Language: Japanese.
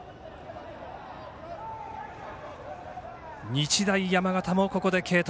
日大山形もここで継投。